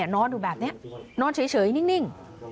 นอนอยู่แบบนี้นอนเฉยนิ่ง